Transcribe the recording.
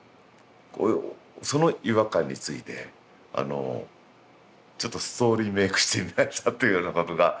その違和感についてあのちょっとストーリーメイクしてみましたっていうようなことが。